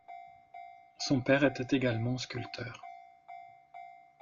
Son père était également sculpteur.